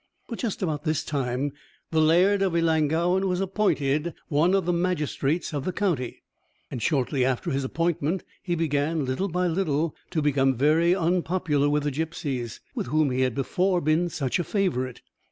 But just about this time the Laird of Ellangowan was appointed one of the magistrates of the county; and shortly after his appointment he began, little by little, to become very unpopular with the gipsies, with whom he had before been such a favourite.